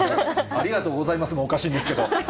ありがとうございますもおかしいですけど。